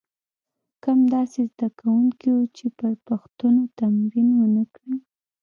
کم داسې زده کوونکي وو چې پر پوښتنو تمرین ونه کړي.